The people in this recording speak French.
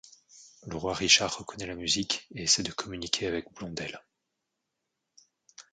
Le roi Richard reconnaît la musique et essaye de communiquer avec Blondel.